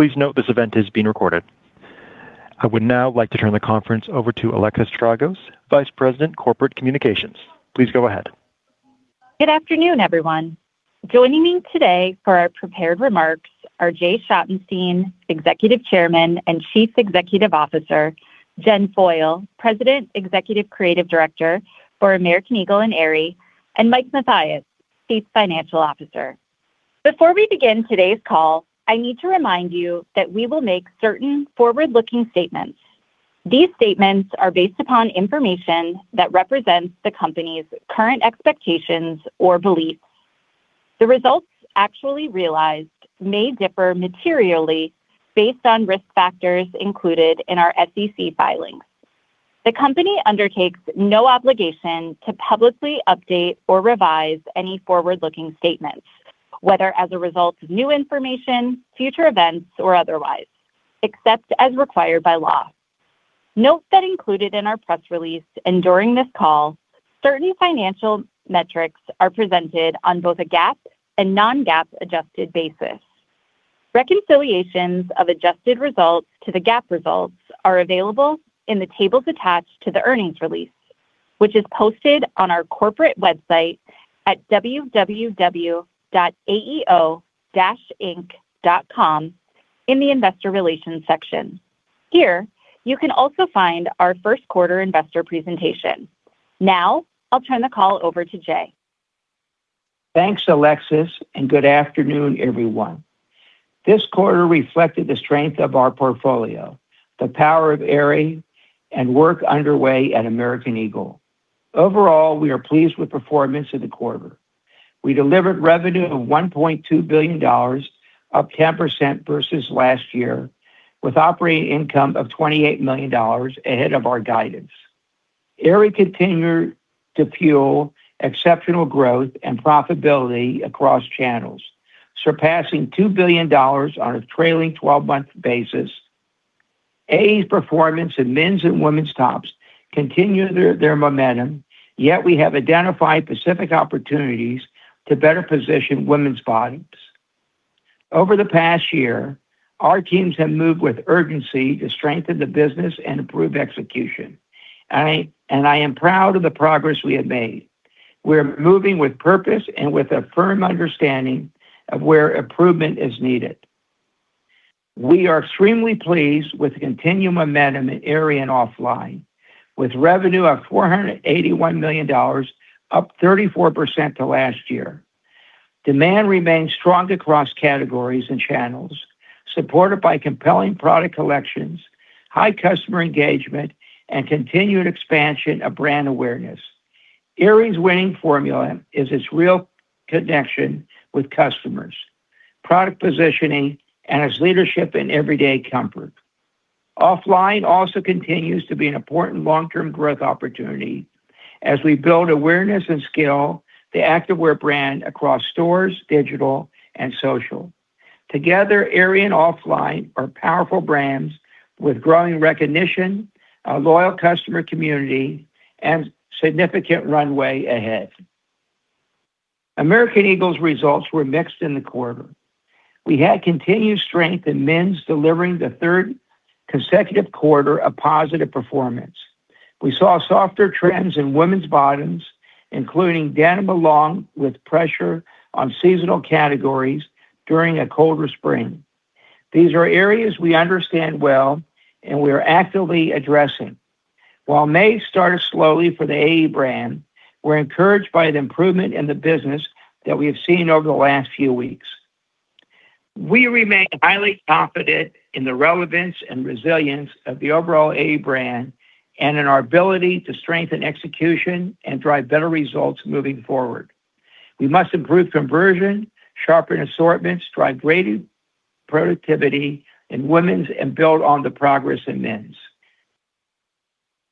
Please note this event is being recorded. I would now like to turn the conference over to Alexis Tragos, Vice President, Corporate Communications. Please go ahead. Good afternoon, everyone. Joining me today for our prepared remarks are Jay Schottenstein, Executive Chairman and Chief Executive Officer, Jennifer Foyle, President, Executive Creative Director for American Eagle and Aerie, and Mike Mathias, Chief Financial Officer. Before we begin today's call, I need to remind you that we will make certain forward-looking statements. These statements are based upon information that represents the company's current expectations or beliefs. The results actually realized may differ materially based on risk factors included in our SEC filings. The company undertakes no obligation to publicly update or revise any forward-looking statements, whether as a result of new information, future events, or otherwise, except as required by law. Note that included in our press release and during this call, certain financial metrics are presented on both a GAAP and non-GAAP adjusted basis. Reconciliations of adjusted results to the GAAP results are available in the tables attached to the earnings release, which is posted on our corporate website at www.aeo-inc.com in the investor relations section. Here, you can also find our first quarter investor presentation. Now, I'll turn the call over to Jay. Thanks, Alexis, and good afternoon, everyone. This quarter reflected the strength of our portfolio, the power of Aerie, and work underway at American Eagle. Overall, we are pleased with performance of the quarter. We delivered revenue of $1.2 billion, up 10% versus last year, with operating income of $28 million ahead of our guidance. Aerie continued to fuel exceptional growth and profitability across channels, surpassing $2 billion on a trailing 12-month basis. AE's performance in men's and women's tops continued their momentum, yet we have identified specific opportunities to better position women's bottoms. Over the past year, our teams have moved with urgency to strengthen the business and improve execution, and I am proud of the progress we have made. We're moving with purpose and with a firm understanding of where improvement is needed. We are extremely pleased with the continued momentum at Aerie and OFFLINE, with revenue of $481 million, up 34% to last year. Demand remains strong across categories and channels, supported by compelling product collections, high customer engagement, and continued expansion of brand awareness. Aerie's winning formula is its real connection with customers, product positioning, and its leadership in everyday comfort. OFFLINE also continues to be an important long-term growth opportunity as we build awareness and scale, the activewear brand across stores, digital, and social. Together, Aerie and OFFLINE are powerful brands with growing recognition, a loyal customer community, and significant runway ahead. American Eagle's results were mixed in the quarter. We had continued strength in men's, delivering the third consecutive quarter of positive performance. We saw softer trends in women's bottoms, including denim along with pressure on seasonal categories during a colder spring. These are areas we understand well, and we are actively addressing. While May started slowly for the AE brand, we're encouraged by the improvement in the business that we have seen over the last few weeks. We remain highly confident in the relevance and resilience of the overall AE brand and in our ability to strengthen execution and drive better results moving forward. We must improve conversion, sharpen assortments, drive greater productivity in women's, and build on the progress in men's.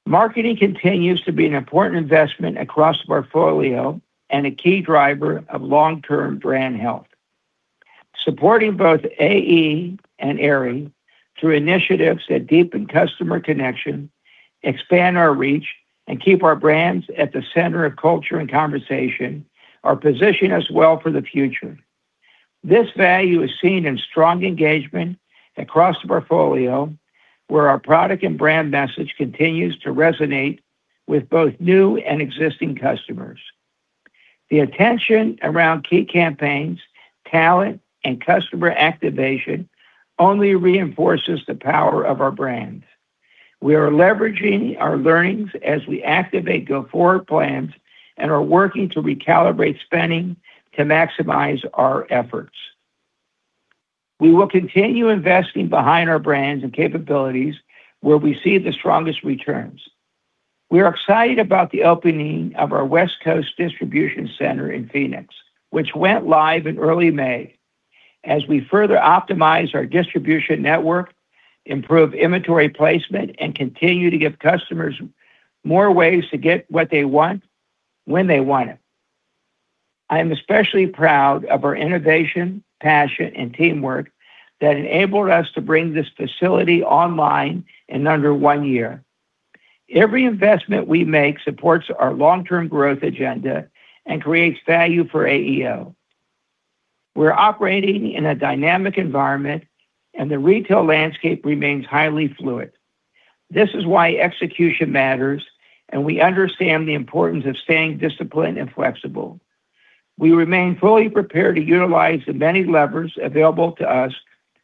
Marketing continues to be an important investment across the portfolio and a key driver of long-term brand health. Supporting both AE and Aerie through initiatives that deepen customer connection, expand our reach, and keep our brands at the center of culture and conversation or position us well for the future. This value is seen in strong engagement across the portfolio, where our product and brand message continues to resonate with both new and existing customers. The attention around key campaigns, talent, and customer activation only reinforces the power of our brand. We are leveraging our learnings as we activate go-forward plans and are working to recalibrate spending to maximize our efforts. We will continue investing behind our brands and capabilities where we see the strongest returns. We are excited about the opening of our West Coast distribution center in Phoenix, which went live in early May. As we further optimize our distribution network, improve inventory placement, and continue to give customers more ways to get what they want when they want it. I am especially proud of our innovation, passion, and teamwork that enabled us to bring this facility online in under one year. Every investment we make supports our long-term growth agenda and creates value for AEO. We're operating in a dynamic environment and the retail landscape remains highly fluid. This is why execution matters, and we understand the importance of staying disciplined and flexible. We remain fully prepared to utilize the many levers available to us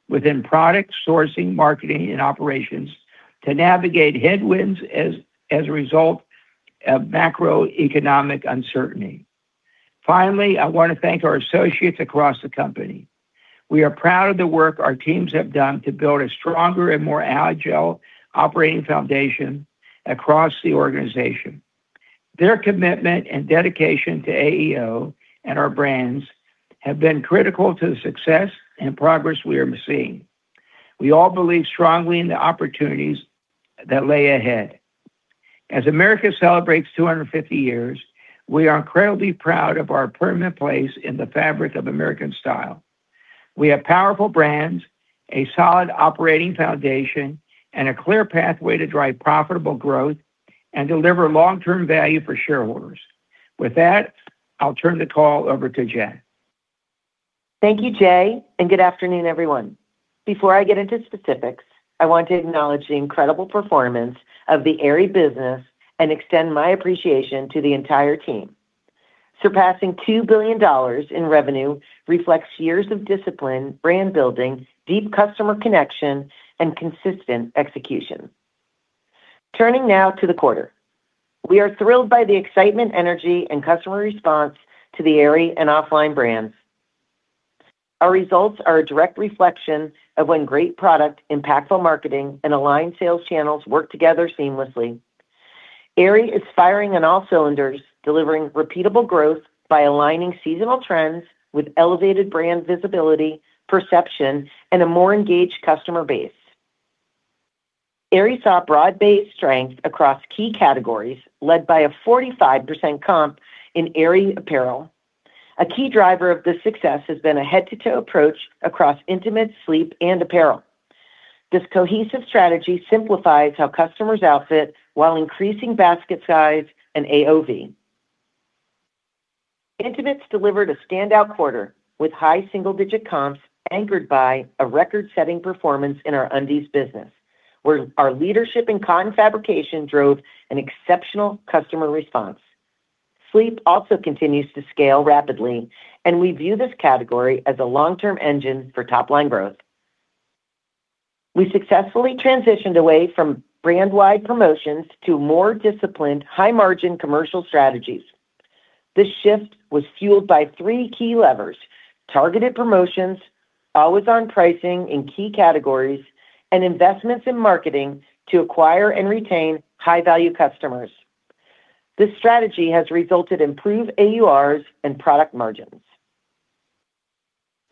within product sourcing, marketing, and operations to navigate headwinds as a result of macroeconomic uncertainty. Finally, I want to thank our associates across the company. We are proud of the work our teams have done to build a stronger and more agile operating foundation across the organization. Their commitment and dedication to AEO and our brands have been critical to the success and progress we are seeing. We all believe strongly in the opportunities that lie ahead. As America celebrates 250 years, we are incredibly proud of our permanent place in the fabric of American style. We have powerful brands, a solid operating foundation, and a clear pathway to drive profitable growth and deliver long-term value for shareholders. With that, I'll turn the call over to Jen. Thank you, Jay. Good afternoon, everyone. Before I get into specifics, I want to acknowledge the incredible performance of the Aerie business and extend my appreciation to the entire team. Surpassing $2 billion in revenue reflects years of discipline, brand building, deep customer connection, and consistent execution. Turning now to the quarter. We are thrilled by the excitement, energy, and customer response to the Aerie and OFFLINE brands. Our results are a direct reflection of when great product, impactful marketing, and aligned sales channels work together seamlessly. Aerie is firing on all cylinders, delivering repeatable growth by aligning seasonal trends with elevated brand visibility, perception, and a more engaged customer base. Aerie saw broad-based strength across key categories, led by a 45% comp in Aerie apparel. A key driver of this success has been a head-to-toe approach across intimates, sleep, and apparel. This cohesive strategy simplifies how customers outfit while increasing basket size and AOV. Intimates delivered a standout quarter with high single-digit comps, anchored by a record-setting performance in our undies business, where our leadership in cotton fabrication drove an exceptional customer response. Sleep also continues to scale rapidly, and we view this category as a long-term engine for top-line growth. We successfully transitioned away from brand-wide promotions to more disciplined, high-margin commercial strategies. This shift was fueled by three key levers: targeted promotions, always-on pricing in key categories, and investments in marketing to acquire and retain high-value customers. This strategy has resulted in improved AURs and product margins.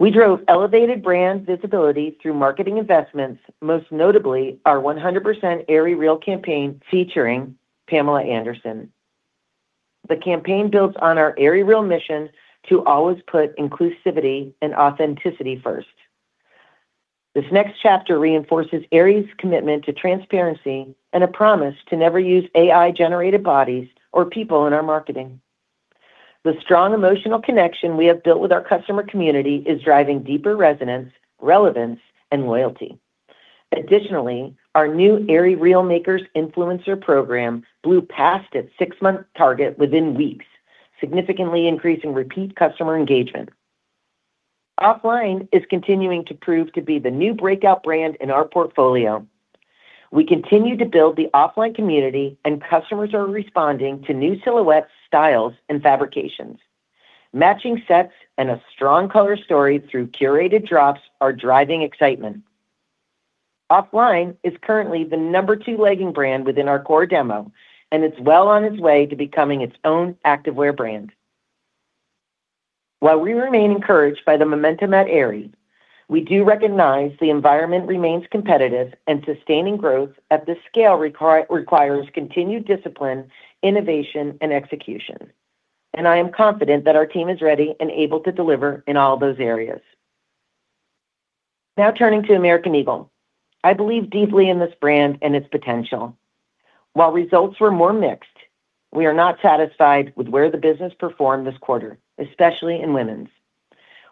We drove elevated brand visibility through marketing investments, most notably our 100% AerieREAL campaign featuring Pamela Anderson. The campaign builds on our AerieREAL mission to always put inclusivity and authenticity first. This next chapter reinforces Aerie's commitment to transparency and a promise to never use AI-generated bodies or people in our marketing. The strong emotional connection we have built with our customer community is driving deeper resonance, relevance, and loyalty. Additionally, our new Aerie Realmakers influencer program blew past its six-month target within weeks, significantly increasing repeat customer engagement. OFFLINE is continuing to prove to be the new breakout brand in our portfolio. We continue to build the OFFLINE community, and customers are responding to new silhouettes, styles, and fabrications. Matching sets and a strong color story through curated drops are driving excitement. OFFLINE is currently the number two legging brand within our core demo, and it's well on its way to becoming its own activewear brand. While we remain encouraged by the momentum at Aerie, we do recognize the environment remains competitive, and sustaining growth at this scale requires continued discipline, innovation, and execution, and I am confident that our team is ready and able to deliver in all those areas. Turning to American Eagle. I believe deeply in this brand and its potential. While results were more mixed, we are not satisfied with where the business performed this quarter, especially in women's.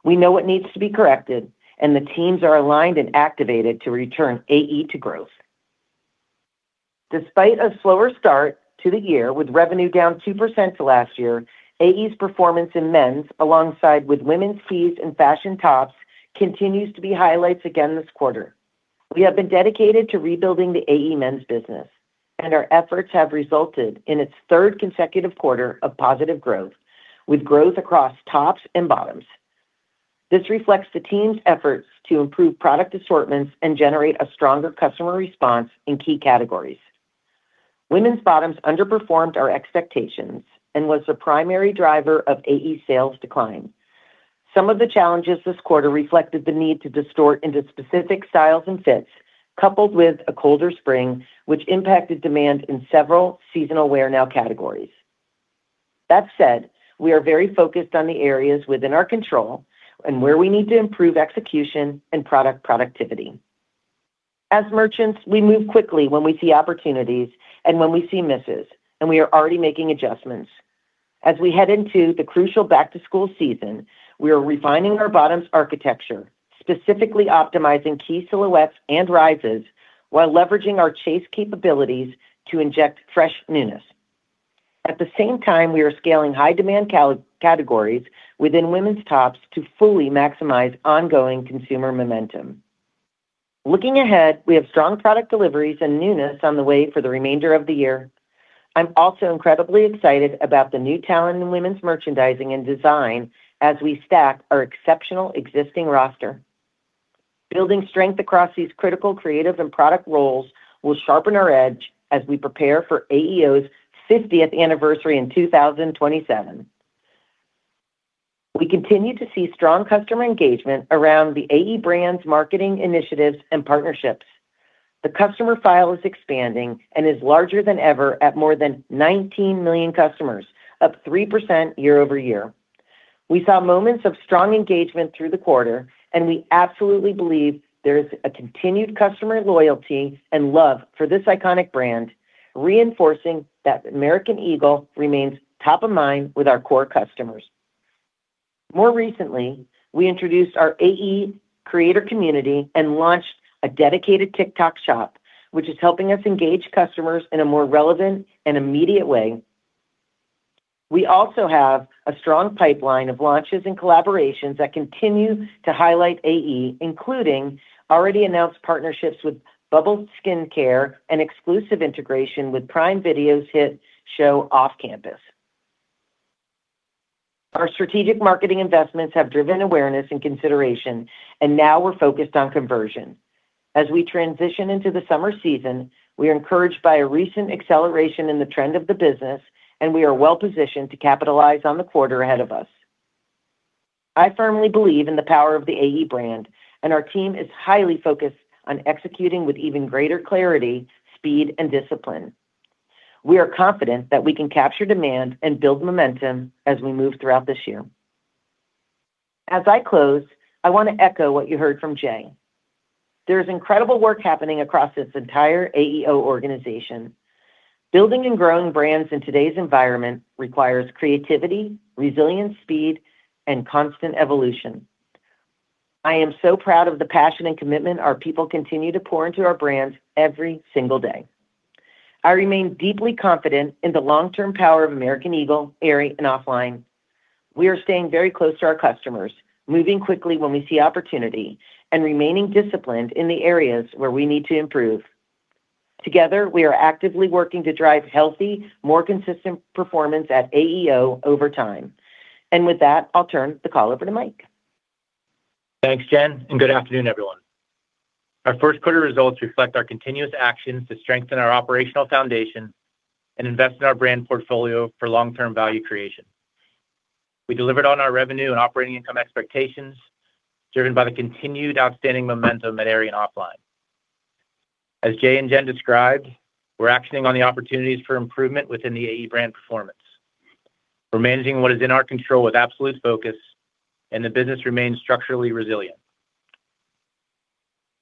We know what needs to be corrected, and the teams are aligned and activated to return AE to growth. Despite a slower start to the year, with revenue down 2% to last year, AE's performance in men's, alongside with women's tees and fashion tops, continues to be highlights again this quarter. We have been dedicated to rebuilding the AE men's business, and our efforts have resulted in its third consecutive quarter of positive growth, with growth across tops and bottoms. This reflects the team's efforts to improve product assortments and generate a stronger customer response in key categories. Women's bottoms underperformed our expectations and was the primary driver of AE sales decline. Some of the challenges this quarter reflected the need to distort into specific styles and fits, coupled with a colder spring, which impacted demand in several seasonal wear now categories. That said, we are very focused on the areas within our control and where we need to improve execution and product productivity. As merchants, we move quickly when we see opportunities and when we see misses, and we are already making adjustments. As we head into the crucial back-to-school season, we are refining our bottoms architecture, specifically optimizing key silhouettes and rises while leveraging our chase capabilities to inject fresh newness. At the same time, we are scaling high-demand categories within women's tops to fully maximize ongoing consumer momentum. Looking ahead, we have strong product deliveries and newness on the way for the remainder of the year. I'm also incredibly excited about the new talent in women's merchandising and design as we stack our exceptional existing roster. Building strength across these critical creative and product roles will sharpen our edge as we prepare for AEO's 50th anniversary in 2027. We continue to see strong customer engagement around the AE brands, marketing initiatives, and partnerships. The customer file is expanding and is larger than ever at more than 19 million customers, up 3% year-over-year. We saw moments of strong engagement through the quarter, and we absolutely believe there is a continued customer loyalty and love for this iconic brand, reinforcing that American Eagle remains top of mind with our core customers. More recently, we introduced our AE creator community and launched a dedicated TikTok shop, which is helping us engage customers in a more relevant and immediate way. We also have a strong pipeline of launches and collaborations that continue to highlight AE, including already announced partnerships with Bubble Skincare and exclusive integration with Prime Video's hit show, "Off Campus." Our strategic marketing investments have driven awareness and consideration, and now we're focused on conversion. As we transition into the summer season, we are encouraged by a recent acceleration in the trend of the business, and we are well positioned to capitalize on the quarter ahead of us. I firmly believe in the power of the AE brand, and our team is highly focused on executing with even greater clarity, speed, and discipline. We are confident that we can capture demand and build momentum as we move throughout this year. As I close, I want to echo what you heard from Jay. There is incredible work happening across this entire AEO organization. Building and growing brands in today's environment requires creativity, resilience, speed, and constant evolution. I am so proud of the passion and commitment our people continue to pour into our brands every single day. I remain deeply confident in the long-term power of American Eagle, Aerie, and OFFLINE. We are staying very close to our customers, moving quickly when we see opportunity, and remaining disciplined in the areas where we need to improve. Together, we are actively working to drive healthy, more consistent performance at AEO over time. With that, I'll turn the call over to Mike. Thanks, Jen. Good afternoon, everyone. Our first quarter results reflect our continuous actions to strengthen our operational foundation and invest in our brand portfolio for long-term value creation. We delivered on our revenue and operating income expectations, driven by the continued outstanding momentum at Aerie and OFFLINE. As Jay and Jen described, we're actioning on the opportunities for improvement within the AE brand performance. We're managing what is in our control with absolute focus, and the business remains structurally resilient.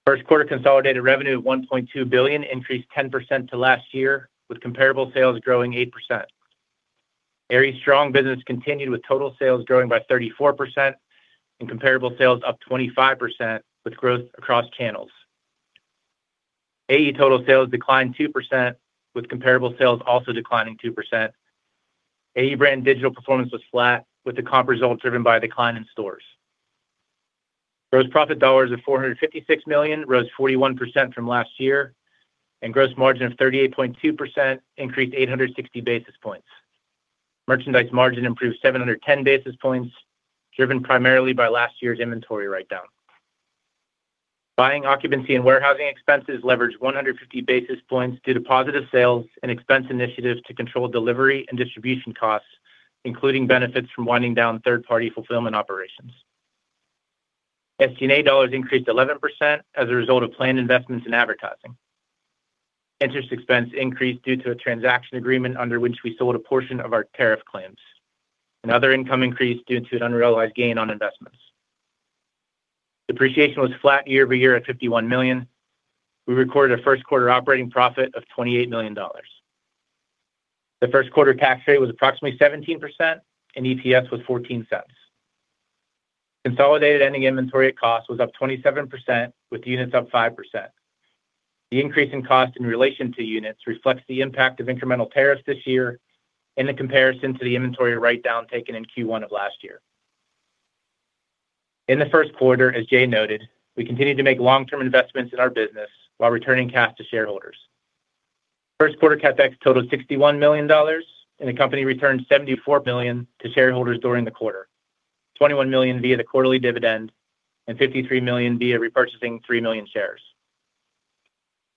First quarter consolidated revenue of $1.2 billion increased 10% to last year, with comparable sales growing 8%. Aerie's strong business continued, with total sales growing by 34% and comparable sales up 25%, with growth across channels. AE total sales declined 2%, with comparable sales also declining 2%. AE brand digital performance was flat, with the comp results driven by decline in stores. Gross profit dollars of $456 million rose 41% from last year, gross margin of 38.2% increased 860 basis points. Merchandise margin improved 710 basis points, driven primarily by last year's inventory writedown. Buying, Occupancy, and Warehousing expenses leveraged 150 basis points due to positive sales and expense initiatives to control delivery and distribution costs, including benefits from winding down third-party fulfillment operations. SG&A dollars increased 11% as a result of planned investments in advertising. Interest expense increased due to a transaction agreement under which we sold a portion of our tariff claims. Other income increased due to an unrealized gain on investments. Depreciation was flat year-over-year at $51 million. We recorded a first quarter operating profit of $28 million. The first quarter tax rate was approximately 17%, and EPS was $0.14. Consolidated ending inventory at cost was up 27%, with units up 5%. The increase in cost in relation to units reflects the impact of incremental tariffs this year and the comparison to the inventory writedown taken in Q1 of last year. In the first quarter, as Jay noted, we continued to make long-term investments in our business while returning cash to shareholders. First quarter CapEx totaled $61 million, and the company returned $74 million to shareholders during the quarter. $21 million via the quarterly dividend and $53 million via repurchasing three million shares.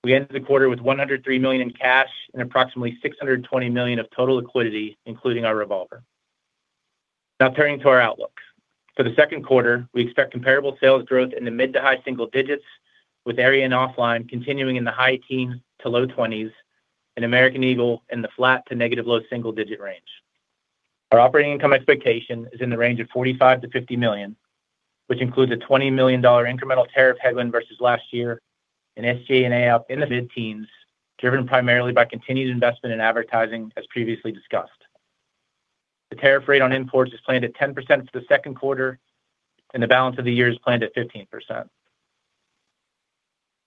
We ended the quarter with $103 million in cash and approximately $620 million of total liquidity, including our revolver. Now turning to our outlook. For the second quarter, we expect comparable sales growth in the mid to high single digits, with Aerie and OFFLINE continuing in the high teens to low twenties, and American Eagle in the flat to negative low single-digit range. Our operating income expectation is in the range of $45 million-$50 million, which includes a $20 million incremental tariff headwind versus last year, and SG&A up in the mid-teens, driven primarily by continued investment in advertising, as previously discussed. The tariff rate on imports is planned at 10% for the second quarter, and the balance of the year is planned at 15%.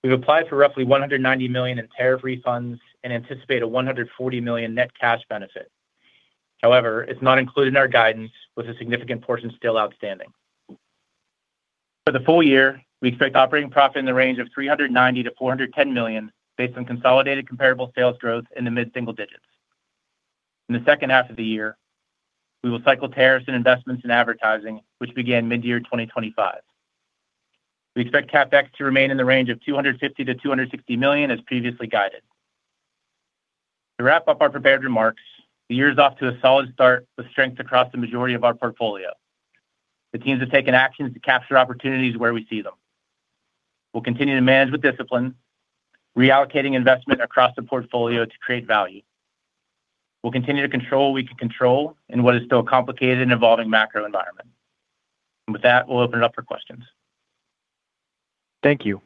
We've applied for roughly $190 million in tariff refunds and anticipate a $140 million net cash benefit. However, it's not included in our guidance, with a significant portion still outstanding. For the full year, we expect operating profit in the range of $390 million-$410 million, based on consolidated comparable sales growth in the mid-single digits. In the second half of the year, we will cycle tariffs and investments in advertising, which began mid-year 2025. We expect CapEx to remain in the range of $250 million to $260 million as previously guided. To wrap up our prepared remarks, the year is off to a solid start with strength across the majority of our portfolio. The teams have taken actions to capture opportunities where we see them. We'll continue to manage with discipline, reallocating investment across the portfolio to create value. We'll continue to control what we can control in what is still a complicated and evolving macro environment. With that, we'll open it up for questions. Thank you.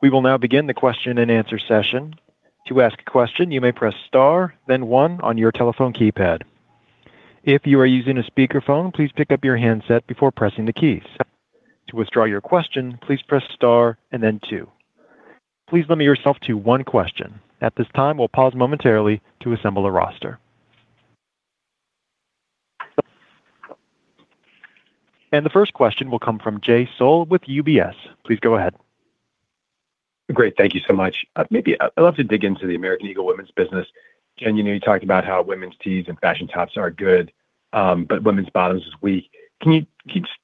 We will now begin the question-and-answer session. To ask a question, you may press star then one on your telephone keypad. If you are using a speakerphone, please pick up your handset before pressing the keys. To withdraw your question, please press star and then two. Please limit yourself to one question. At this time, we will pause momentarily to assemble a roster. The first question will come from Jay Sole with UBS. Please go ahead. Great. Thank you so much. Maybe I'd love to dig into the American Eagle women's business. Jen, you talked about how women's tees and fashion tops are good, but women's bottoms is weak. Can you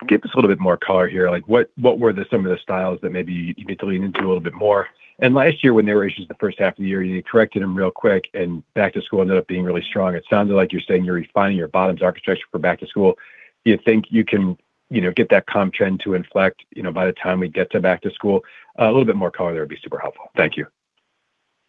give us a little bit more color here? What were some of the styles that maybe you could lean into a little bit more? Last year, when there were issues the first half of the year, you corrected them real quick and back to school ended up being really strong. It sounds like you're saying you're refining your bottoms architecture for back to school. Do you think you can get that comp trend to inflect by the time we get to back to school? A little bit more color there would be super helpful. Thank you.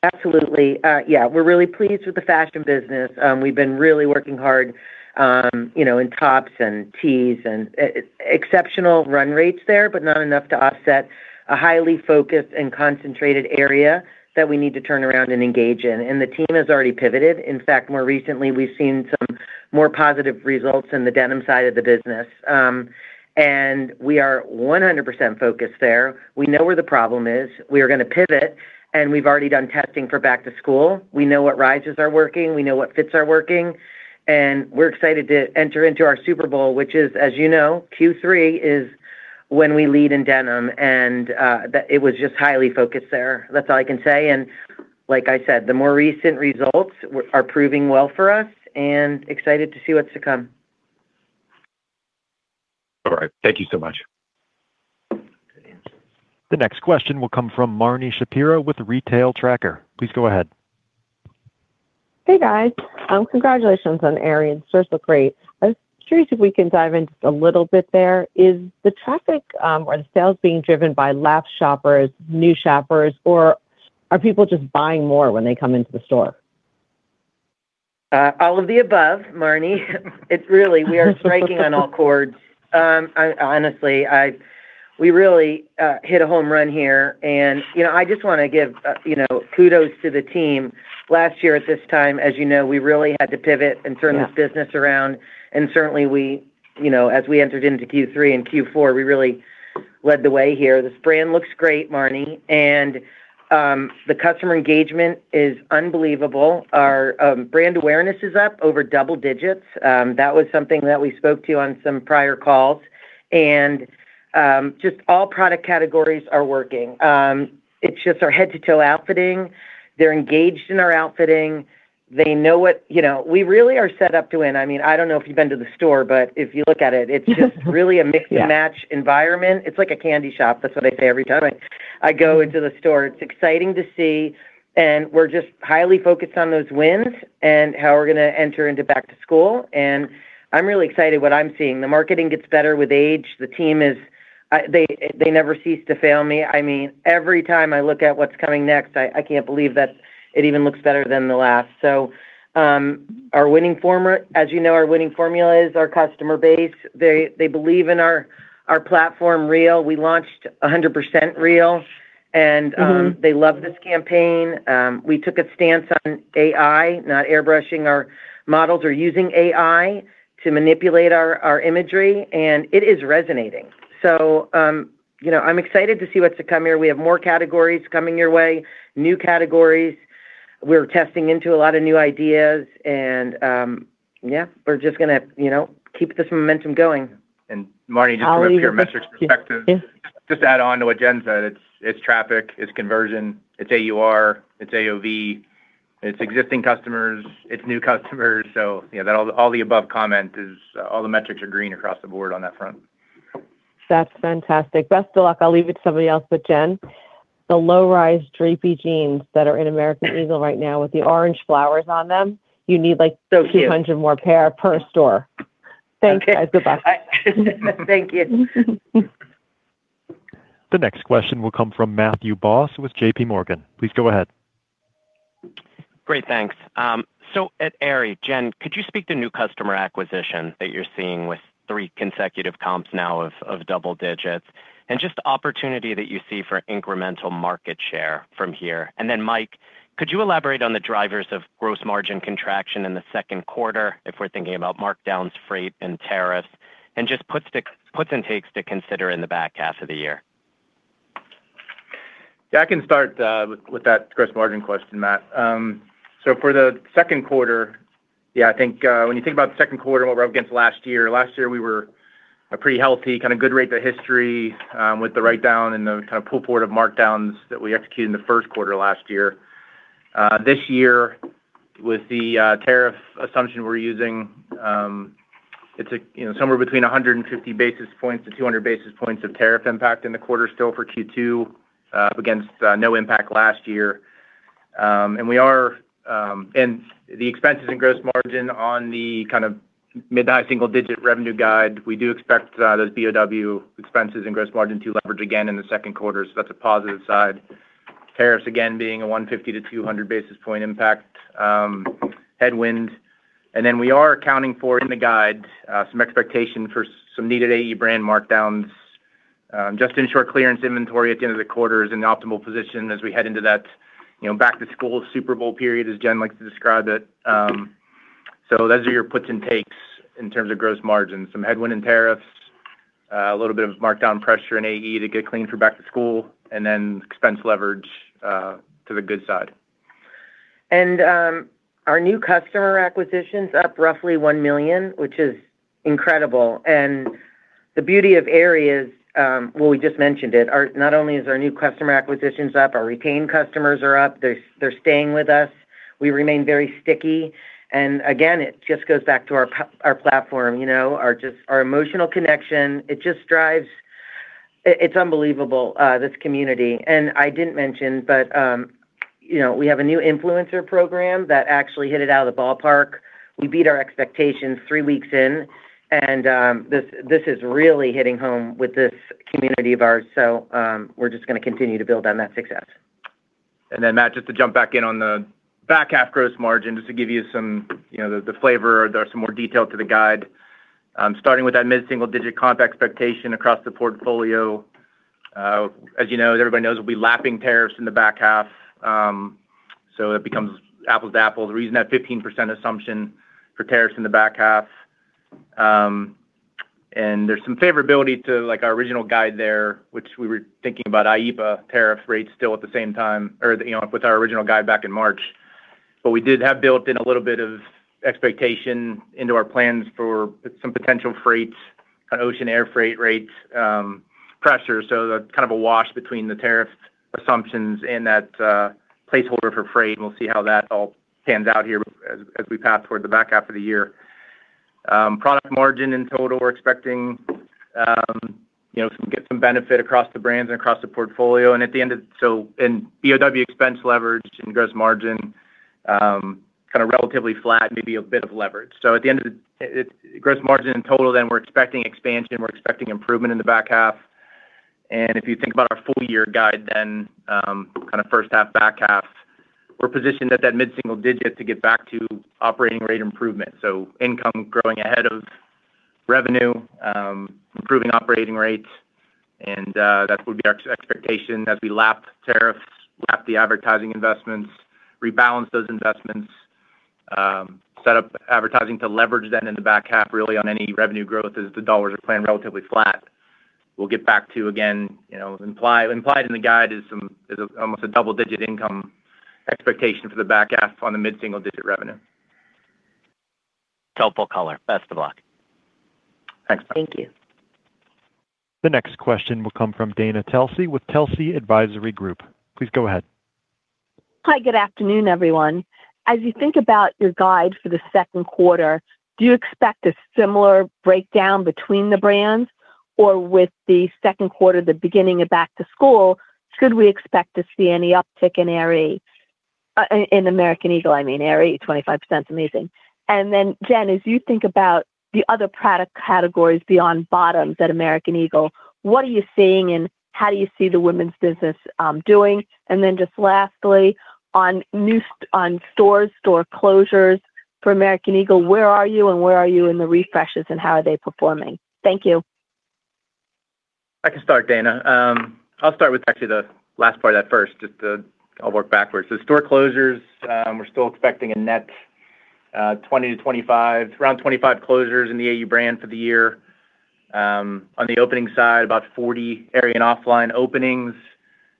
Absolutely. Yeah, we're really pleased with the fashion business. We've been really working hard in tops and tees and exceptional run rates there. Not enough to offset a highly focused and concentrated area that we need to turn around and engage in. The team has already pivoted. In fact, more recently, we've seen some more positive results in the denim side of the business. We are 100% focused there. We know where the problem is. We are going to pivot, and we've already done testing for back to school. We know what rises are working, we know what fits are working, and we're excited to enter into our Super Bowl, which is, as you know, Q3 is when we lead in denim, and it was just highly focused there. That's all I can say. Like I said, the more recent results are proving well for us and excited to see what's to come. All right. Thank you so much. Good answers. The next question will come from Marni Shapiro with The Retail Tracker. Please go ahead. Hey, guys. Congratulations on Aerie. The stores look great. I was curious if we can dive in just a little bit there. Is the traffic or the sales being driven by lapsed shoppers, new shoppers, or are people just buying more when they come into the store? All of the above, Marni. It's really, we are striking on all chords. Honestly, we really hit a home run here. I just want to give kudos to the team. Last year at this time, as you know, we really had to pivot and turn this business around. Certainly as we entered into Q3 and Q4, we really led the way here. This brand looks great, Marni. The customer engagement is unbelievable. Our brand awareness is up over double digits. That was something that we spoke to on some prior calls. Just all product categories are working. It's just our head-to-toe outfitting. They're engaged in our outfitting. We really are set up to win. I don't know if you've been to the store. If you look at it's just really a mix and match environment. It's like a candy shop. That's what I say every time I go into the store. It's exciting to see, and we're just highly focused on those wins and how we're going to enter into back to school. I'm really excited what I'm seeing. The marketing gets better with age. The team never cease to fail me. Every time I look at what's coming next, I can't believe that it even looks better than the last. As you know, our winning formula is our customer base. They believe in our platform, AerieREAL. We launched 100% AerieREAL, and they love this campaign. We took a stance on AI, not airbrushing our models or using AI to manipulate our imagery, and it is resonating. I'm excited to see what's to come here. We have more categories coming your way, new categories. We're testing into a lot of new ideas, and yeah, we're just going to keep this momentum going. Marni, just from a pure metrics perspective, just to add on to what Jen said, it's traffic, it's conversion, it's AUR, it's AOV, it's existing customers, it's new customers. That all the above comment is all the metrics are green across the board on that front. That's fantastic. Best of luck. I'll leave it to somebody else but Jen The low-rise drapey jeans that are in American Eagle right now with the orange flowers on them, you need. Cute. 200 more pair per store. Okay. Thanks, guys. Goodbye. Thank you. The next question will come from Matthew Boss with JPMorgan. Please go ahead. Great, thanks. At Aerie, Jen, could you speak to new customer acquisition that you're seeing with three consecutive comps now of double digits, and just the opportunity that you see for incremental market share from here? Mike, could you elaborate on the drivers of gross margin contraction in the second quarter if we're thinking about markdowns, freight, and tariffs, and just puts and takes to consider in the back half of the year? Yeah, I can start with that gross margin question, Matt. For the second quarter, yeah, I think when you think about the second quarter and what we're up against last year, we were a pretty healthy, good rate of history with the write-down and the pull forward of markdowns that we executed in the first quarter last year. This year with the tariff assumption we're using, it's somewhere between 150 basis points to 200 basis points of tariff impact in the quarter still for Q2, up against no impact last year. The expenses in gross margin on the mid to high single-digit revenue guide, we do expect those BOW expenses and gross margin to leverage again in the second quarter. That's a positive side. Tariffs, again, being a 150 to 200 basis point impact headwind. We are accounting for, in the guide, some expectation for some needed AE brand markdowns. Just ensure clearance inventory at the end of the quarter is in the optimal position as we head into that back to school Super Bowl period, as Jen likes to describe it. Those are your puts and takes in terms of gross margin. Some headwind and tariffs, a little bit of markdown pressure in AE to get clean for back to school, expense leverage to the good side. Our new customer acquisition's up roughly one million, which is incredible. The beauty of Aerie is, well, we just mentioned it. Not only is our new customer acquisitions up, our retained customers are up. They're staying with us. We remain very sticky. Again, it just goes back to our platform, our emotional connection. It's unbelievable, this community. I didn't mention, we have a new influencer program that actually hit it out of the ballpark. We beat our expectations three weeks in. This is really hitting home with this community of ours. We're just going to continue to build on that success. Mike, just to jump back in on the back half gross margin, just to give you the flavor or some more detail to the guide. Starting with that mid-single-digit comp expectation across the portfolio. As everybody knows, we'll be lapping tariffs in the back half, so it becomes apples to apples. The reason that 15% assumption for tariffs in the back half, there's some favorability to our original guide there, which we were thinking about IEEPA tariff rates still at the same time, or with our original guide back in March. We did have built in a little bit of expectation into our plans for some potential freight, ocean air freight rates pressure. That's a wash between the tariff assumptions and that placeholder for freight, and we'll see how that all pans out here as we pass toward the back half of the year. Product margin in total, we're expecting to get some benefit across the brands and across the portfolio. BOW expense leverage and gross margin, relatively flat, maybe a bit of leverage. At the end of the Gross margin in total, we're expecting expansion, we're expecting improvement in the back half. If you think about our full year guide, first half, back half, we're positioned at that mid-single digit to get back to operating rate improvement. Income growing ahead of revenue, improving operating rates, and that would be our expectation as we lap tariffs, lap the advertising investments, rebalance those investments, set up advertising to leverage that in the back half really on any revenue growth as the dollars are planned relatively flat. We'll get back to, again, implied in the guide is almost a double-digit income expectation for the back half on the mid-single digit revenue. Helpful color. Best of luck. Thanks, Matt. Thank you. The next question will come from Dana Telsey with Telsey Advisory Group. Please go ahead. Hi, good afternoon, everyone. As you think about your guide for the second quarter, do you expect a similar breakdown between the brands? With the second quarter, the beginning of back to school, should we expect to see any uptick in Aerie? In American Eagle, I mean. Aerie, 25%'s amazing. Jen, as you think about the other product categories beyond bottoms at American Eagle, what are you seeing, and how do you see the women's business doing? Just lastly, on stores, store closures for American Eagle, where are you, and where are you in the refreshes and how are they performing? Thank you. I can start, Dana. I'll start with actually the last part of that first. I'll work backwards. Store closures, we're still expecting a net 20 to 25, around 25 closures in the AE brand for the year. On the opening side, about 40 Aerie and OFFLINE openings.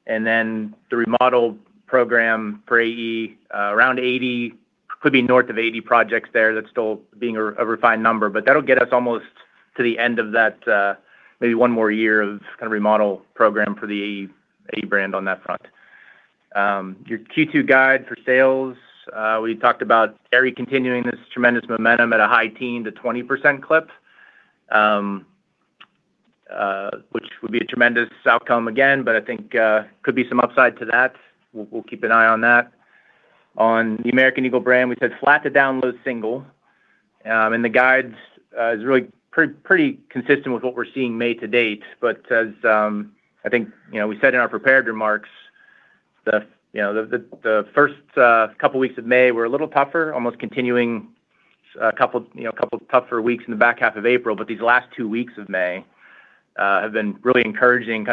The remodel program for AE, around 80, could be north of 80 projects there. That's still being a refined number. That'll get us almost to the end of that maybe one more year of remodel program for the AE brand on that front. Your Q2 guide for sales, we talked about Aerie continuing this tremendous momentum at a high teen to 20% clip, which would be a tremendous outcome again, but I think could be some upside to that. We'll keep an eye on that. On the American Eagle brand, we said flat to down low single. The guidance is really pretty consistent with what we're seeing May to date. As I think we said in our prepared remarks, the first couple of weeks of May were a little tougher, almost continuing a couple tougher weeks in the back half of April, but these last two weeks of May have been really encouraging,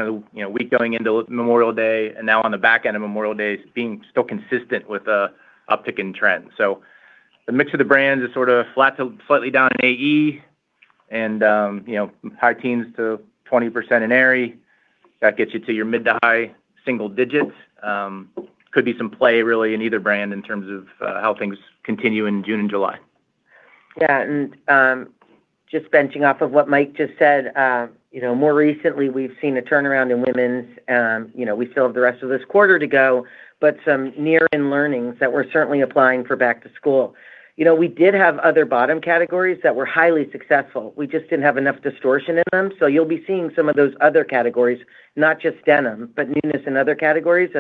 week going into Memorial Day, and now on the back end of Memorial Day, being still consistent with a uptick in trend. The mix of the brands is flat to slightly down in AE, and high teens to 20% in Aerie. That gets you to your mid to high single digits. Could be some play really in either brand in terms of how things continue in June and July. Yeah. Just benching off of what Mike just said, more recently, we've seen a turnaround in women's. We still have the rest of this quarter to go, but some near-in learnings that we're certainly applying for back to school. We did have other bottom categories that were highly successful. We just didn't have enough distortion in them. You'll be seeing some of those other categories, not just denim, but newness in other categories,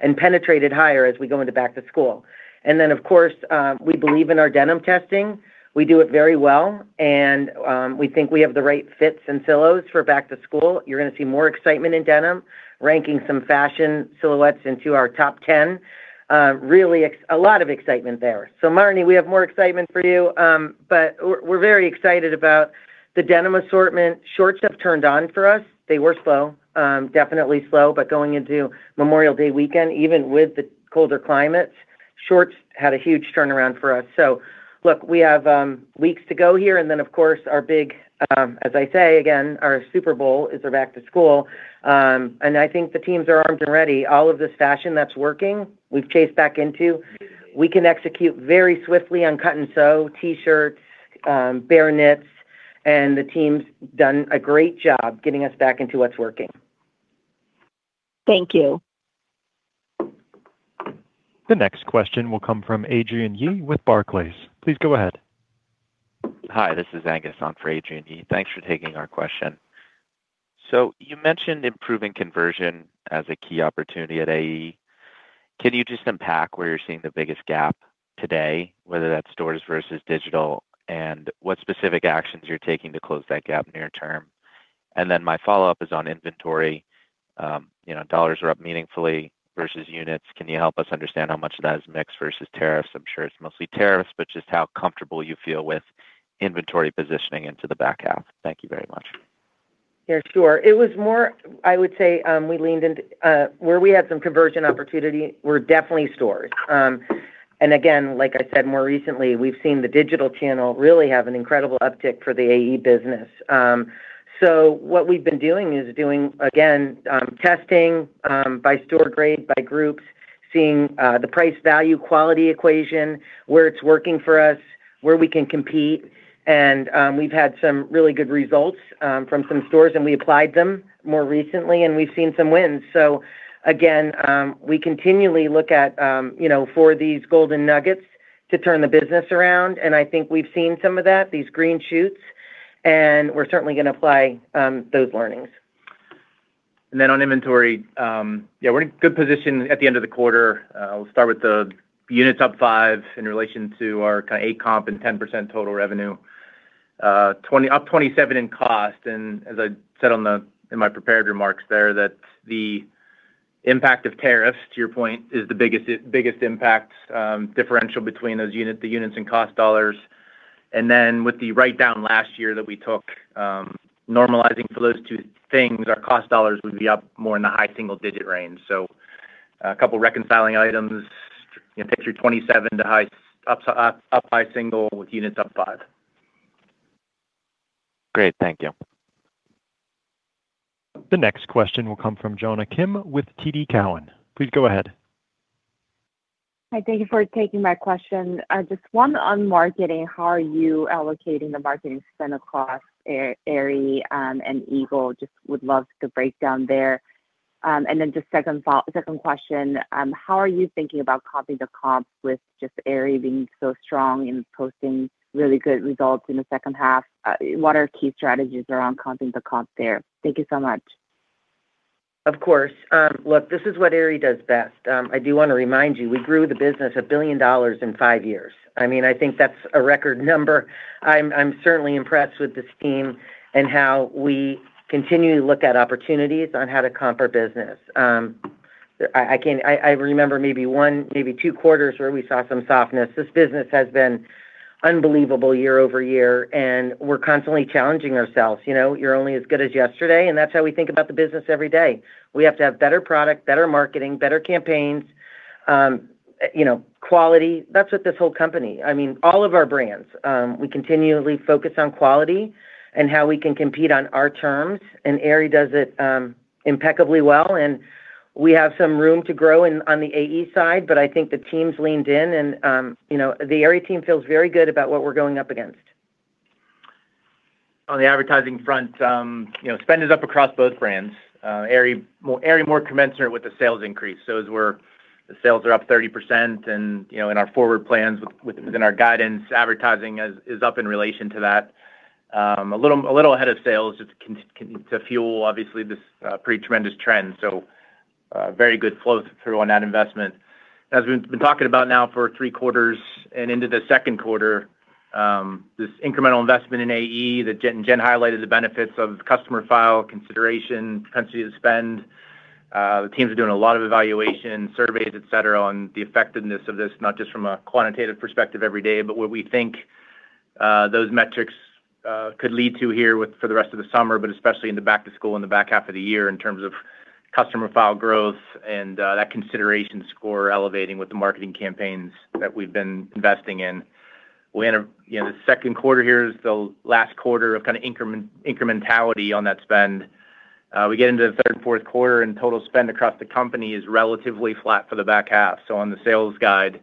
and penetrated higher as we go into back to school. Of course, we believe in our denim testing. We do it very well. We think we have the right fits and silos for back to school. You're going to see more excitement in denim, ranking some fashion silhouettes into our top 10. Really a lot of excitement there. Marni, we have more excitement for you, but we're very excited about the denim assortment. Shorts have turned on for us. They were slow. Definitely slow, but going into Memorial Day weekend, even with the colder climates, shorts had a huge turnaround for us. Look, we have weeks to go here, and then, of course, our big, as I say again, our Super Bowl is our back to school. I think the teams are armed and ready. All of this fashion that's working, we've chased back into. We can execute very swiftly on cut and sew T-shirts, bare knits, and the team's done a great job getting us back into what's working. Thank you. The next question will come from Adrienne Yih with Barclays. Please go ahead. Hi, this is Angus on for Adrienne Yih. Thanks for taking our question. You mentioned improving conversion as a key opportunity at AE. Can you just unpack where you're seeing the biggest gap today, whether that's stores versus digital, and what specific actions you're taking to close that gap near term? My follow-up is on inventory. Dollars are up meaningfully versus units. Can you help us understand how much of that is mix versus tariffs? I'm sure it's mostly tariffs, just how comfortable you feel with inventory positioning into the back half. Thank you very much. Yeah, sure. I would say where we had some conversion opportunity were definitely stores. Again, like I said, more recently, we've seen the digital channel really have an incredible uptick for the AE business. What we've been doing, again, testing by store grade, by groups, seeing the price-value-quality equation, where it's working for us, where we can compete. We've had some really good results from some stores, we applied them more recently, we've seen some wins. Again, we continually look at for these golden nuggets to turn the business around, I think we've seen some of that, these green shoots, we're certainly going to apply those learnings. On inventory, we're in a good position at the end of the quarter. I'll start with the units up five in relation to our [8% comp] and 10% total revenue. Up 27 in cost, as I said in my prepared remarks there, that the impact of tariffs, to your point, is the biggest impact differential between the units and cost dollars. With the write-down last year that we took, normalizing for those two things, our cost dollars would be up more in the high single digit range. A couple reconciling items, picture 27 to up high single with units up five. Great. Thank you. The next question will come from Jonna Kim with TD Cowen. Please go ahead. Hi, thank you for taking my question. Just one on marketing. How are you allocating the marketing spend across Aerie and Eagle? Just would love the breakdown there. Just second question, how are you thinking about comping the comps with just Aerie being so strong and posting really good results in the second half? What are key strategies around comping the comps there? Thank you so much. Of course. Look, this is what Aerie does best. I do want to remind you, we grew the business a billion dollars in five years. I think that's a record number. I'm certainly impressed with this team and how we continue to look at opportunities on how to comp our business. I remember maybe one, maybe two quarters where we saw some softness. This business has been unbelievable year-over-year, and we're constantly challenging ourselves. You're only as good as yesterday, and that's how we think about the business every day. We have to have better product, better marketing, better campaigns, quality. That's what this whole company. All of our brands. We continually focus on quality and how we can compete on our terms, and Aerie does it impeccably well. We have some room to grow on the AE side, but I think the team's leaned in, and the Aerie team feels very good about what we're going up against. On the advertising front, spend is up across both brands. Aerie more commensurate with the sales increase. As the sales are up 30% and in our forward plans within our guidance, advertising is up in relation to that. A little ahead of sales to fuel, obviously, this pretty tremendous trend. Very good flow through on that investment. We've been talking about now for three quarters and into the second quarter, this incremental investment in AE, that Jen highlighted the benefits of customer file consideration, propensity to spend. The teams are doing a lot of evaluation, surveys, et cetera, on the effectiveness of this, not just from a quantitative perspective every day, but what we think those metrics could lead to here for the rest of the summer, but especially in the back to school and the back half of the year in terms of customer file growth and that consideration score elevating with the marketing campaigns that we've been investing in. The second quarter here is the last quarter of incrementality on that spend. We get into the third and fourth quarter and total spend across the company is relatively flat for the back half. On the sales guide,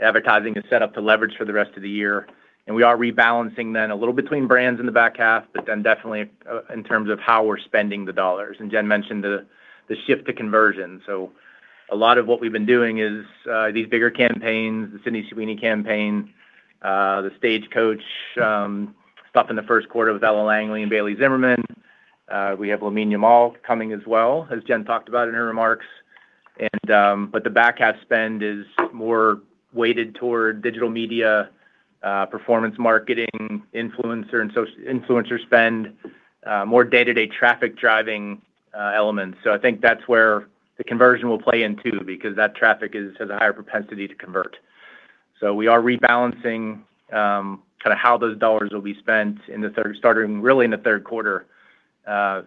advertising is set up to leverage for the rest of the year, and we are rebalancing then a little between brands in the back half, but then definitely in terms of how we're spending the dollars. Jen mentioned the shift to conversion. A lot of what we've been doing is these bigger campaigns, the Sydney Sweeney campaign, the Stagecoach stop in the first quarter with Ella Langley and Bailey Zimmerman. We have Lamine Yamal coming as well, as Jen talked about in her remarks. The back half spend is more weighted toward digital media, performance marketing, influencer spend, more day-to-day traffic driving elements. I think that's where the conversion will play in, too, because that traffic has a higher propensity to convert. We are rebalancing how those dollars will be spent, starting really in the third quarter,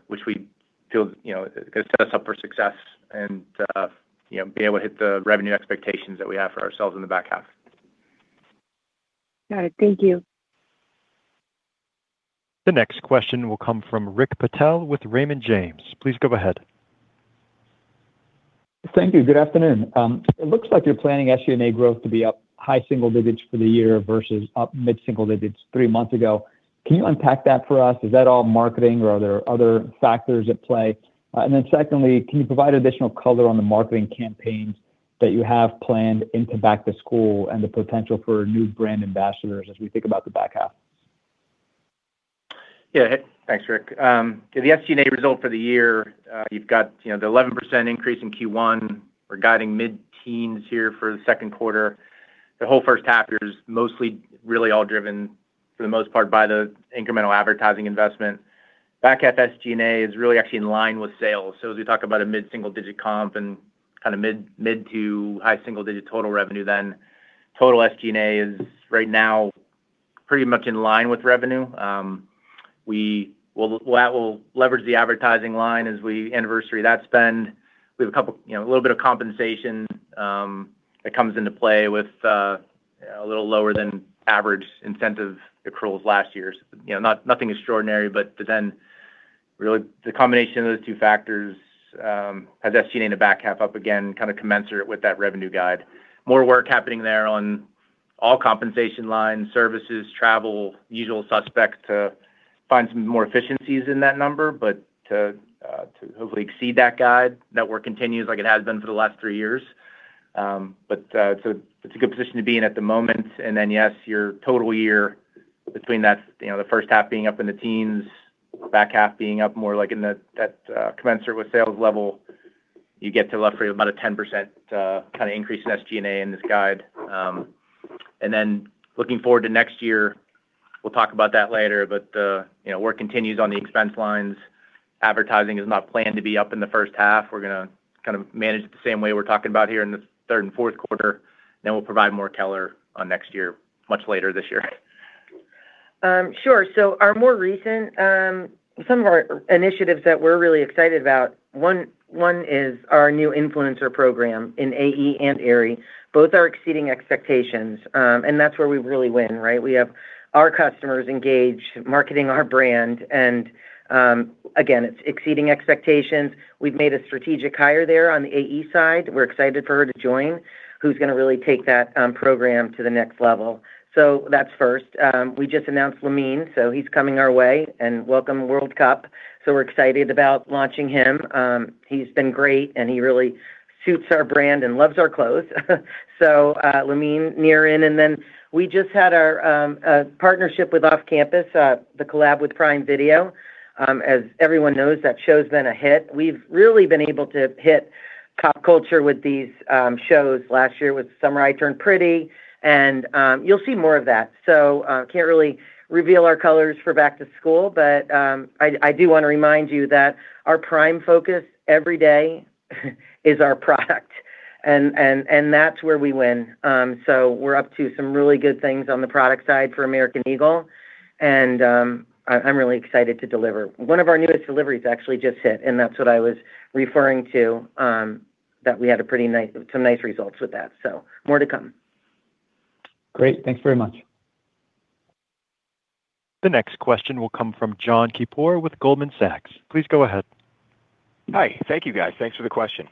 which we feel is going to set us up for success and be able to hit the revenue expectations that we have for ourselves in the back half. Got it. Thank you. The next question will come from Rick Patel with Raymond James. Please go ahead. Thank you. Good afternoon. It looks like you're planning SG&A growth to be up high single digits for the year versus up mid single digits three months ago. Can you unpack that for us? Is that all marketing or are there other factors at play? Secondly, can you provide additional color on the marketing campaigns that you have planned into back to school and the potential for new brand ambassadors as we think about the back half? Thanks, Rick. The SG&A result for the year, you've got the 11% increase in Q1. We're guiding mid-teens here for the second quarter. The whole first half here is mostly really all driven, for the most part, by the incremental advertising investment. Back half SG&A is really actually in line with sales. As we talk about a mid-single digit comp and mid to high single digit total revenue, total SG&A is right now pretty much in line with revenue. We'll leverage the advertising line as we anniversary that spend. We have a little bit of compensation that comes into play with a little lower than average incentive accruals last year. Nothing extraordinary, really the combination of those two factors has SG&A in the back half up again commensurate with that revenue guide. More work happening there on all compensation lines, services, travel, usual suspects to find some more efficiencies in that number, but to hopefully exceed that guide. That work continues like it has been for the last three years. It's a good position to be in at the moment. Yes, your total year between the first half being up in the teens, back half being up more like in that commensurate with sales level, you get to roughly about a 10% increase in SG&A in this guide. Looking forward to next year, we'll talk about that later, but work continues on the expense lines. Advertising is not planned to be up in the first half. We're going to manage it the same way we're talking about here in the third and fourth quarter. We'll provide more color on next year, much later this year. Sure. Some of our initiatives that we're really excited about, one is our new influencer program in AE and Aerie. Both are exceeding expectations. That's where we really win, right? We have our customers engaged, marketing our brand, and again, it's exceeding expectations. We've made a strategic hire there on the AE side, we're excited for her to join, who's going to really take that program to the next level. That's first. We just announced Lamine, so he's coming our way, and welcome World Cup. We're excited about launching him. He's been great, and he really suits our brand and loves our clothes. [Let me lean in]. We just had our partnership with "Off Campus," the collab with Prime Video. As everyone knows, that show's been a hit. We've really been able to hit pop culture with these shows. Last year with "The Summer I Turned Pretty," and you'll see more of that. Can't really reveal our colors for back to school, but I do want to remind you that our prime focus every day is our product, and that's where we win. We're up to some really good things on the product side for American Eagle, and I'm really excited to deliver. One of our newest deliveries actually just hit, and that's what I was referring to, that we had some nice results with that. More to come. Great. Thanks very much. The next question will come from John Keypour with Goldman Sachs. Please go ahead. Hi. Thank you, guys. Thanks for the question.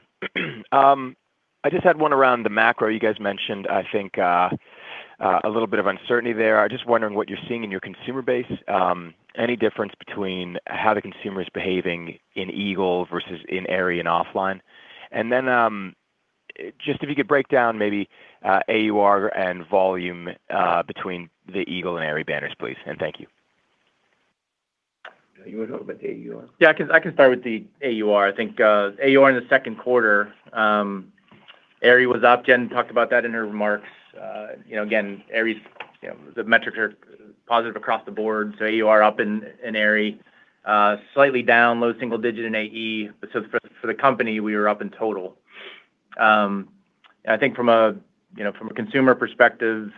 I just had one around the macro. You guys mentioned, I think, a little bit of uncertainty there. I'm just wondering what you're seeing in your consumer base. Any difference between how the consumer is behaving in Eagle versus in Aerie and OFFLINE? Just if you could break down maybe AUR and volume between the Eagle and Aerie banners, please, and thank you. You want to talk about the AUR? Yeah. I can start with the AUR. I think AUR in the second quarter, Aerie was up. Jen talked about that in her remarks. Again, the metrics are positive across the board, so AUR up in Aerie. Slightly down, low single digit in AE, but for the company, we were up in total. I think from a consumer perspective,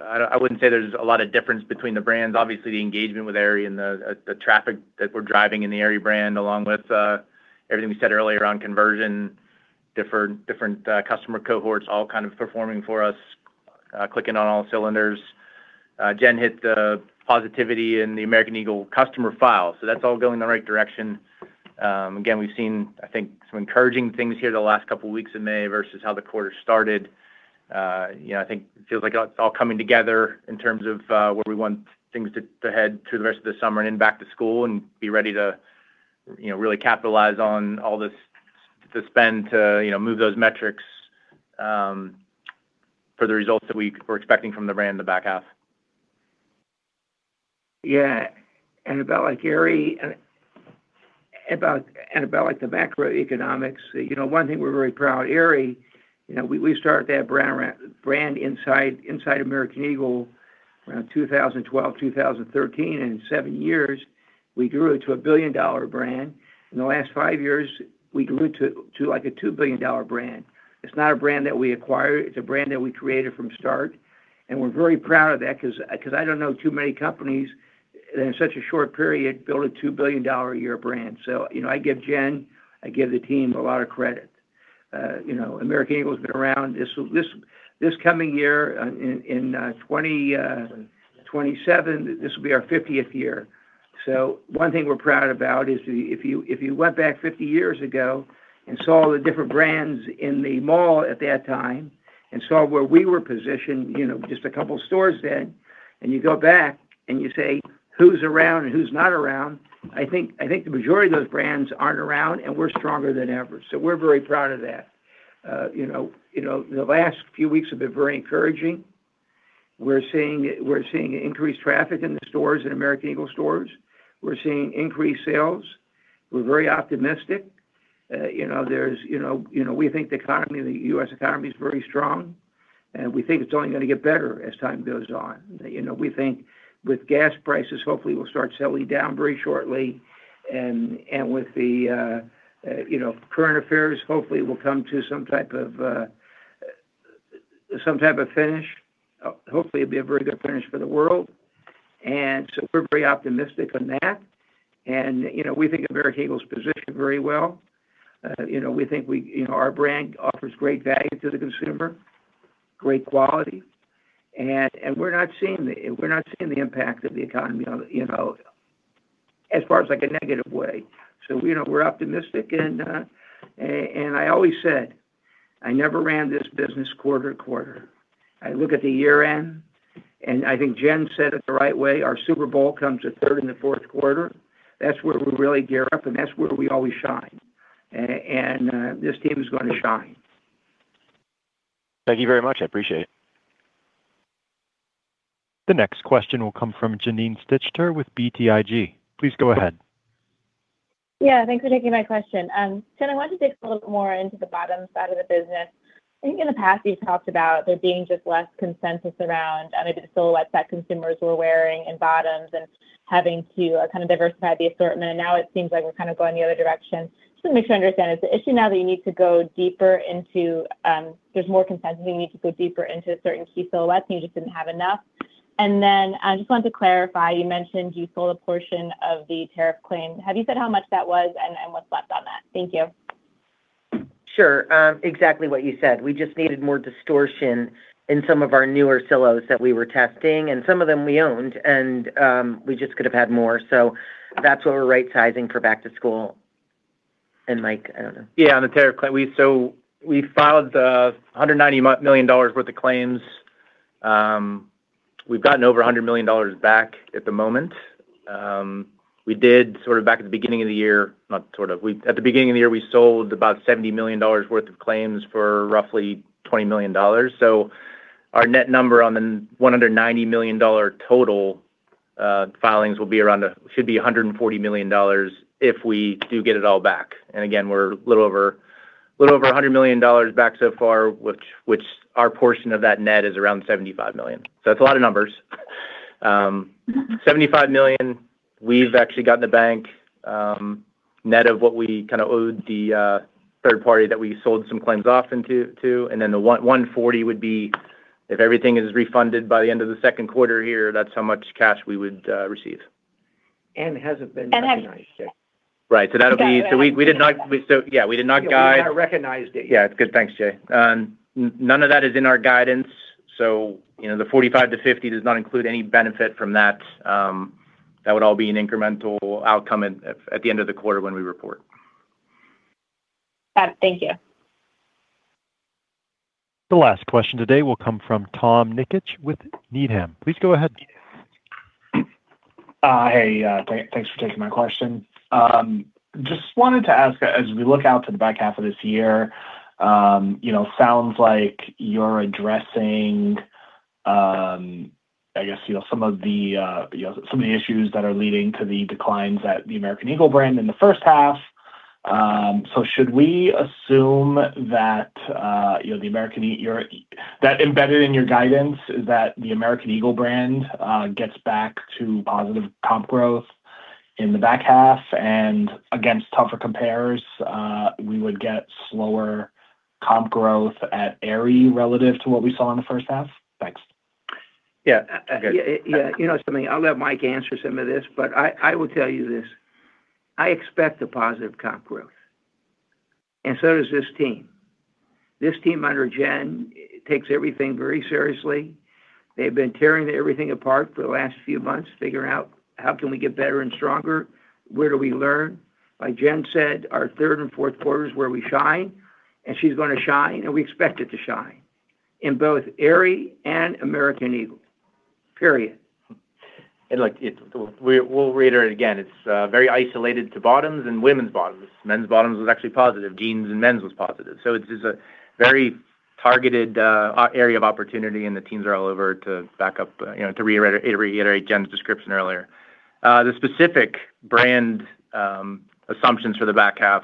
I wouldn't say there's a lot of difference between the brands. Obviously, the engagement with Aerie and the traffic that we're driving in the Aerie brand, along with everything we said earlier around conversion, different customer cohorts all kind of performing for us, clicking on all cylinders. Jen hit the positivity in the American Eagle customer files, so that's all going in the right direction. Again, we've seen, I think, some encouraging things here the last couple weeks of May versus how the quarter started. I think it feels like it's all coming together in terms of where we want things to head through the rest of the summer and into back to school and be ready to really capitalize on all this to spend to move those metrics for the results that we're expecting from the brand in the back half. Yeah. About Aerie, and about the macroeconomics, one thing we're very proud. Aerie, we started that brand inside American Eagle around 2012, 2013. In seven years, we grew it to a billion-dollar brand. In the last five years, we grew it to a $2 billion brand. It's not a brand that we acquired. It's a brand that we created from start, and we're very proud of that because I don't know too many companies that in such a short period build a $2 billion a year brand. I give Jen, I give the team a lot of credit. American Eagle's been around. This coming year, in 2027, this will be our 50th year. One thing we're proud about is if you went back 50 years ago and saw the different brands in the mall at that time and saw where we were positioned, just a couple stores then, and you go back and you say, "Who's around and who's not around?" I think the majority of those brands aren't around, and we're stronger than ever. We're very proud of that. The last few weeks have been very encouraging. We're seeing increased traffic in the stores, in American Eagle stores. We're seeing increased sales. We're very optimistic. We think the U.S. economy is very strong, and we think it's only going to get better as time goes on. We think with gas prices, hopefully will start settling down very shortly and with the current affairs, hopefully will come to some type of finish. Hopefully, it'll be a very good finish for the world. We're very optimistic on that. We think American Eagle's positioned very well. We think our brand offers great value to the consumer, great quality, and we're not seeing the impact of the economy as far as a negative way. We're optimistic, and I always said, I never ran this business quarter-to-quarter. I look at the year-end, and I think Jen said it the right way. Our Super Bowl comes at third and the fourth quarter. That's where we really gear up, and that's where we always shine. This team is going to shine. Thank you very much. I appreciate it. The next question will come from Janine Stichter with BTIG. Please go ahead. Yeah, thanks for taking my question. Jen, I wanted to dig a little bit more into the bottoms side of the business. I think in the past you've talked about there being just less consensus around maybe the silhouettes that consumers were wearing and bottoms and having to kind of diversify the assortment. Now it seems like we're kind of going the other direction. Just want to make sure I understand. Is the issue now that there's more consensus, and you need to go deeper into certain key silhouettes, and you just didn't have enough? Then I just wanted to clarify, you mentioned you sold a portion of the tariff claim. Have you said how much that was and what's left on that? Thank you. Sure. Exactly what you said. We just needed more distortion in some of our newer silos that we were testing, and some of them we owned, and we just could have had more. That's what we're right-sizing for back to school. Mike, I don't know. On the tariff claim, we filed the $190 million worth of claims. We've gotten over $100 million back at the moment. At the beginning of the year, we sold about $70 million worth of claims for roughly $20 million. Our net number on the $190 million total filings should be $140 million if we do get it all back. Again, we're a little over $100 million back so far, which our portion of that net is around $75 million. That's a lot of numbers. $75 million we've actually got in the bank, net of what we kind of owed the third party that we sold some claims off into, too. Then the $140 million would be if everything is refunded by the end of the second quarter here, that's how much cash we would receive. It hasn't been recognized yet. Right. We did not guide. We might have recognized it. Yeah. Good. Thanks, Jay. None of that is in our guidance. The $45-$50 does not include any benefit from that. That would all be an incremental outcome at the end of the quarter when we report. Got it. Thank you. The last question today will come from Tom Nikic with Needham. Please go ahead. Hey, thanks for taking my question. Just wanted to ask, as we look out to the back half of this year, sounds like you're addressing some of the issues that are leading to the declines at the American Eagle brand in the first half. Should we assume that embedded in your guidance is that the American Eagle brand gets back to positive comp growth in the back half, and against tougher compares, we would get slower comp growth at Aerie relative to what we saw in the first half? Thanks. Yeah. I'll let Mike answer some of this, but I will tell you this. I expect a positive comp growth, and so does this team. This team under Jen takes everything very seriously. They've been tearing everything apart for the last few months, figuring out how can we get better and stronger, where do we learn. Like Jen said, our third and fourth quarter is where we shine, and she's going to shine, and we expect it to shine in both Aerie and American Eagle. Period. Look, we'll reiterate again, it's very isolated to bottoms and women's bottoms. Men's bottoms was actually positive. Jeans and men's was positive. So it is a very targeted area of opportunity, and the teams are all over to back up, to reiterate Jen's description earlier. The specific brand assumptions for the back half,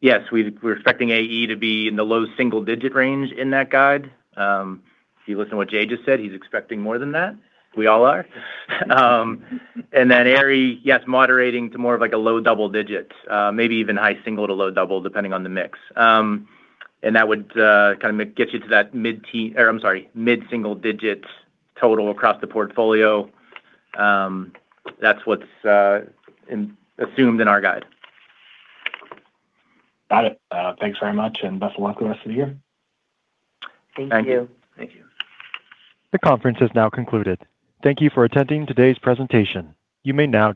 yes, we're expecting AE to be in the low single-digit range in that guide. If you listen to what Jay just said, he's expecting more than that. We all are. Then Aerie, yes, moderating to more of like a low double digits, maybe even high single to low double, depending on the mix. That would get you to that mid-single-digits total across the portfolio. That's what's assumed in our guide. Got it. Thanks very much. Best of luck the rest of the year. Thank you. Thank you. The conference has now concluded. Thank you for attending today's presentation. You may now disconnect.